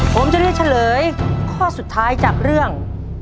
ผมจะเลือกเฉลยข้อสุดท้ายจากเรื่อง